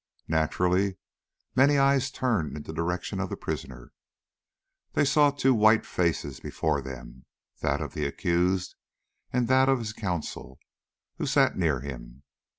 Naturally many eyes turned in the direction of the prisoner. They saw two white faces before them, that of the accused and that of his counsel, who sat near him.